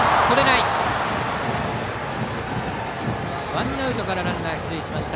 ワンアウトからランナーが出塁しました。